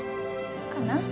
どうかな？